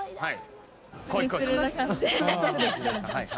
はい。